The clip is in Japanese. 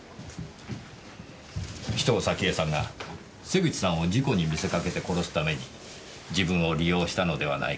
紫藤咲江さんが瀬口さんを事故に見せかけて殺すために自分を利用したのではないか。